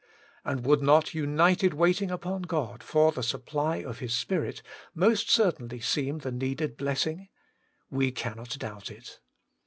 And would not united waiting upon God for the supply of His Spirit most certainly seem the needed blessing ? "We cannot doubt it.